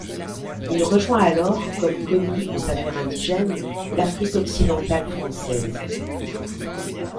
Il rejoint alors, comme commis aux affaires indigènes, l’Afrique-Occidentale française.